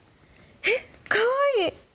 えっかわいい！